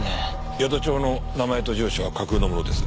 宿帳の名前と住所は架空のものです。